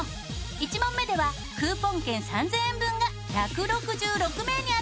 １問目ではクーポン券３０００円分が１６６名に当たるチャンス！